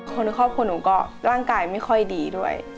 คนข้อผู้หนูก็ร่างกายไม่ค่อยดีด้วย